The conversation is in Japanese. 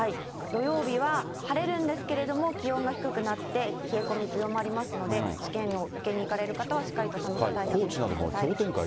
土曜日は晴れるんですけれども、気温が低くなって、冷え込み強まりますので、試験を受けに行かれる方は、しっかりと寒さ対策してください。